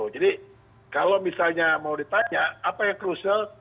jadi kalau misalnya mau ditanya apa yang krusial